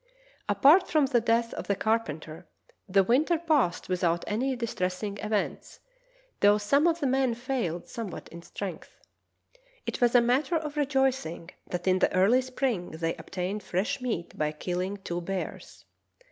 Apart from the death of the carpenter, the winter passed without any distressing events, though some of the men failed somewhat in strength. It was a matter of rejoicing that in the early spring they obtained fresh meat by killing two bears.